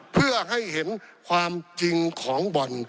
เพื่อให้เห็นความจริงของบ่อน